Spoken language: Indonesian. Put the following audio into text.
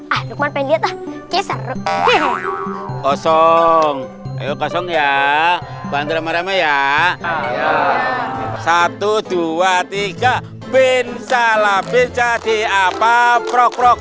ya ah luqman pilih atau kisar kosong kosong ya bandera marah ya satu ratus dua puluh tiga bin salah bin zadi apa prok prok